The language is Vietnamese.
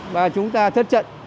và chúng ta thất trận